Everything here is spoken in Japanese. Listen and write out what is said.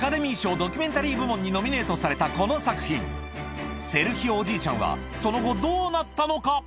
ドキュメンタリー部門にノミネートされたこの作品、セルヒオおじいちゃんは、その後、どうなったのか。